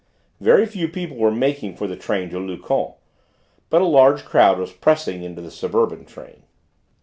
Very few people were making for the train to Luchon; but a large crowd was pressing into the suburban train.